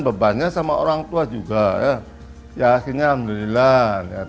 pasangan yang kini berusia dua puluh tujuh tahun ini juga berkreasi dengan motif batik uang achor bat blue